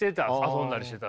遊んだりしてた。